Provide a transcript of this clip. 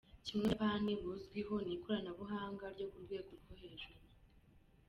Kimwe mu byo Ubuyapani buzwiho ni ikoranabuhanga ryo ku rwego rwo hejuru.